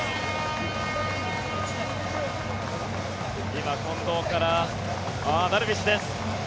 今、近藤からダルビッシュです。